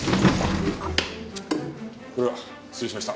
これは失礼しました！